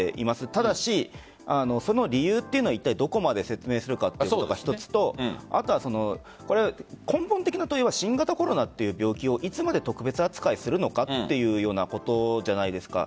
ただし、その理由はいったいどこまで説明するかというのが一つとあとは根本的な問いは新型コロナという病気をいつまで特別扱いするのかということじゃないですか。